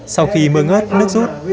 sau khi mưa ngất nước rút